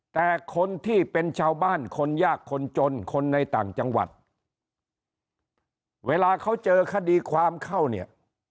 แต่คนที่เป็นชาวบ้านคนยากคนจนคนในต่างจังหวัดเวลาเขาเจอคดีความเข้าเนี่ย